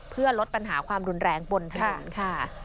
เพื่อลดปัญหาความรุนแรงบนถนนค่ะ